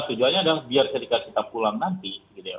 tujuannya adalah biar ketika kita pulang nanti gitu ya